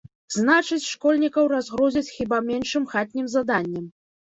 Значыць, школьнікаў разгрузяць хіба меншым хатнім заданнем.